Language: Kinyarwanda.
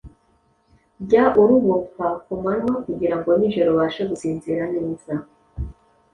Jya uruhuka ku manywa kugirango nijoro ubashe gusinzira neza